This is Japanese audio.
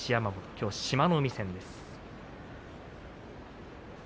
きょうは志摩ノ海戦です。